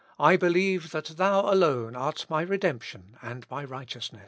I believe that thou alone art my redemption and my righteousness."